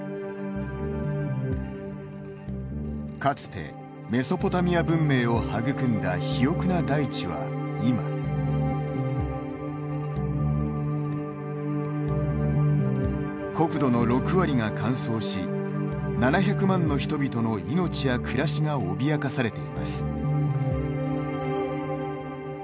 かつてメソポタミア文明を育んだ肥沃な大地は今国土の６割が乾燥し７００万人の人々の命や暮らしが脅かされています。